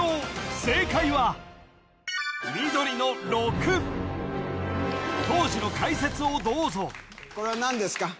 正解は緑の６当時の解説をどうぞこれは何ですか？